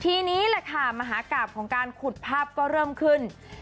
ทีนี้แหละค่ะมหากราบของการขุดภาพก็เริ่มขึ้น